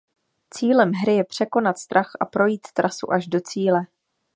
Cílem hry je překonat strach a projít trasu až do cíle.